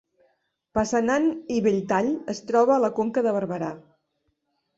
Passanant i Belltall es troba a la Conca de Barberà